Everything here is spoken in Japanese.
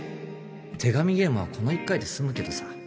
手紙ゲームはこの一回で済むけどさ